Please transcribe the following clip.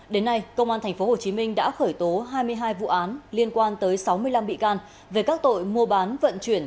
đến nay công an tp hcm đã khởi tố hai mươi hai vụ án liên quan tới sáu mươi năm bị can về các tội mua bán vận chuyển